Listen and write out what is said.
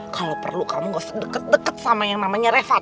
kalau perlu kamu gak deket deket sama yang namanya refat